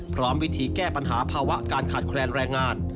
พร้อมวิธีแก้ปัญหาภาวะการขาดแคลนแรงงาน